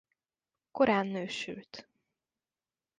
Korán nősült.